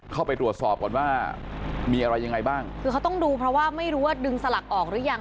เข้าไปตรวจสอบก่อนว่ามีอะไรยังไงบ้างคือเขาต้องดูเพราะว่าไม่รู้ว่าดึงสลักออกหรือยัง